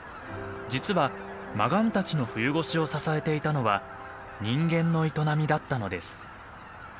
実はマガンたちの冬越しを支えていたのは人間の営みだったのです。